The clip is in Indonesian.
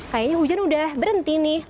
kayaknya hujan udah berhenti nih